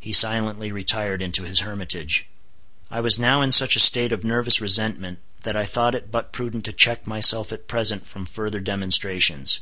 He silently retired into his hermitage. I was now in such a state of nervous resentment that I thought it but prudent to check myself at present from further demonstrations.